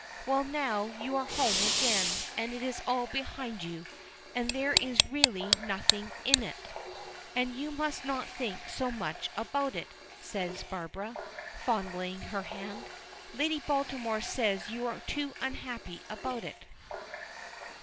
"Well, now you are home again, and it's all behind you. And there is really nothing in it. And you must not think so much about it," says Barbara, fondling her hand. "Lady Baltimore said you were too unhappy about it."